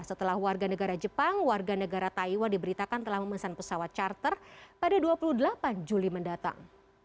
setelah warga negara jepang warga negara taiwan diberitakan telah memesan pesawat charter pada dua puluh delapan juli mendatang